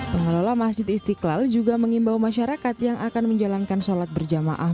pengelola masjid istiqlal juga mengimbau masyarakat yang akan menjalankan sholat berjamaah